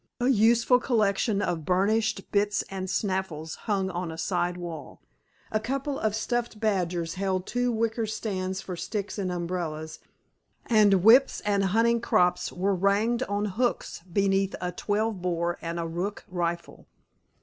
A useful collection of burnished bits and snaffles hung on a side wall. A couple of stuffed badgers held two wicker stands for sticks and umbrellas, and whips and hunting crops were ranged on hooks beneath a 12 bore and a rook rifle.